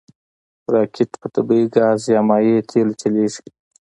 راکټ په طبعي ګاز یا مایع تېلو چلیږي